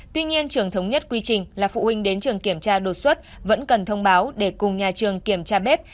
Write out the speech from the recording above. tuy nhiên trường thống nhất quy trình là phụ huynh đến trường kiểm tra đột xuất vẫn cần thông báo để cùng nhà trường kiểm tra bếp